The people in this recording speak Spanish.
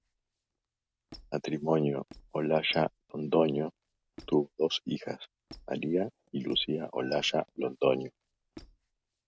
El matrimonio Olaya Londoño tuvo dos hijas: María y Lucía Olaya Londoño.